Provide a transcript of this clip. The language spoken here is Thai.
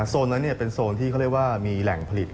โซนนั้นเป็นโซนที่เขาเรียกว่ามีแหล่งผลิต